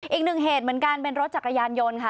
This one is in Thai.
อีกหนึ่งเหตุเหมือนกันเป็นรถจักรยานยนต์ค่ะ